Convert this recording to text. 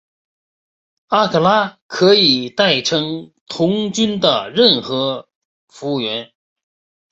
阿克拉可以代称童军的任何服务员。